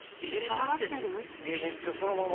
えっめっちゃそのまま！